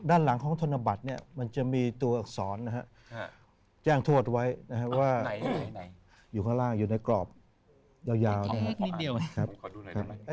ด้านหลังของธนบัตรเนี่ยมันจะมีตัวอักษรนะฮะแจ้งโทษไว้นะครับว่าอยู่ข้างล่างอยู่ในกรอบยาวนิดเดียวนะครับ